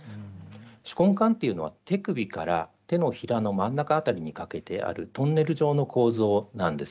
「手根管」というのは手首から手のひらの真ん中辺りにかけてあるトンネル状の構造なんです。